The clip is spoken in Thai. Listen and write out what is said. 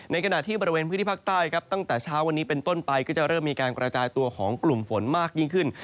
ขณะที่บริเวณพื้นที่ภาคใต้ครับตั้งแต่เช้าวันนี้เป็นต้นไปก็จะเริ่มมีการกระจายตัวของกลุ่มฝนมากยิ่งขึ้น